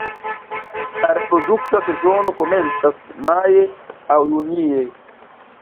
La reprodukta sezono komencas maje aŭ junie.